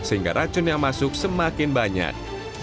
sehingga racun yang masuk semakin banyak